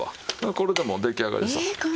これでもう出来上がりですわ。